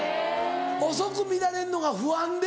遅く見られんのが不安で。